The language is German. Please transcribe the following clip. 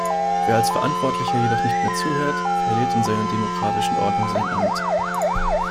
Wer als Verantwortlicher jedoch nicht mehr zuhört, verliert in einer demokratischen Ordnung sein Amt.